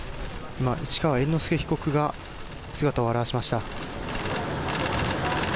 今、市川猿之助被告が姿を現しました。